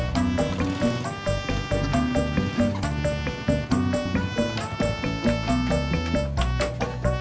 sampai jumpa pak